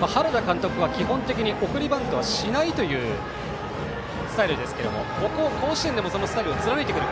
原田監督は基本的に送りバントはしないというスタイルですけど甲子園でもそのスタイルを貫いてくる。